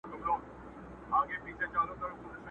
چا له نظره کړې د ښکلیو د مستۍ سندري.!